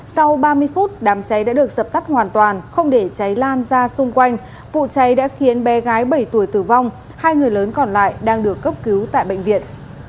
sau ba mươi phút đám cháy đã được dập tắt hoàn toàn không để cháy lan ra xung quanh vụ cháy đã khiến bé gái bảy tuổi tử vong hai người lớn còn lại đang được cấp cứu tại bệnh viện